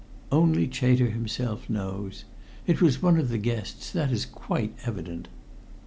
"Only Chater himself knows. It was one of the guests, that is quite evident."